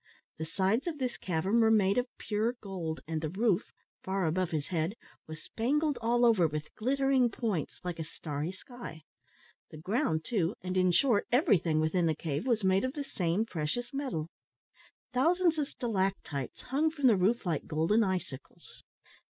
The sides of this cavern were made of pure gold, and the roof far above his head was spangled all over with glittering points, like a starry sky. The ground, too, and, in short, everything within the cave, was made of the same precious metal. Thousands of stalactites hung from the roof like golden icicles.